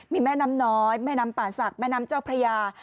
มีแม่น้ำน้อยแม่น้ำป่าศักดิ์แม่น้ำเจ้าพระยา